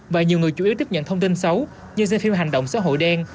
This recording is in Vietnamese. và nhiều người chủ yếu tiếp nhận thông tin xấu như trên phim hành động xã hội đen